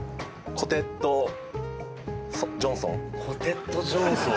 コテット・ジョンソン。